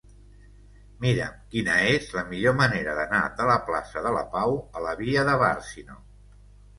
Mira'm quina és la millor manera d'anar de la plaça de la Pau a la via de Bàrcino.